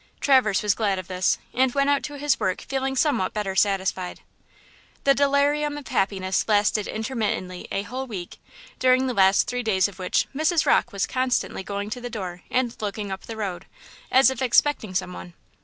Traverse was glad of this, and went out to his work feeling somewhat better satisfied. The delirium of happiness lasted intermittently a whole week, during the last three days of which Mrs. Rocke was constantly going to the door and looking up the road, as if expecting some one.